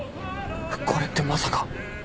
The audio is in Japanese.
これってまさか